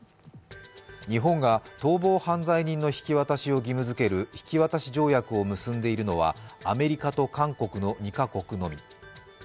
日本が逃亡犯罪人の引き渡しを義務づける引渡条約を結んでいるのはアメリカと韓国の２か国のみ。